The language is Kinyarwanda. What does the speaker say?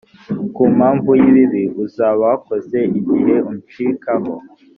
ku mpamvu y’ibibi uzaba wakoze igihe uncikaho.